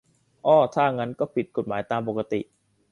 อ้อ ถ้างั้นก็ผิดกฎหมายตามปกติ